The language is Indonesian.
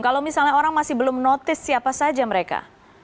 kalau misalnya orang masih belum notice siapa saja mereka